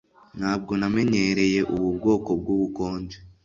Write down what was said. ntabwo namenyereye ubu bwoko bwubukonje